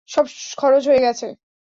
সব খরচ হয়ে গেছে।